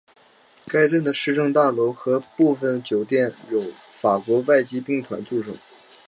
该镇的市政大楼和部分酒店有法国外籍兵团驻守。